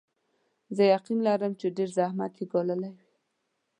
زه یقین لرم چې ډېر زحمت یې ګاللی وي.